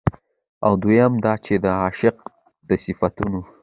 او دويم دا چې د عاشق د صفتونو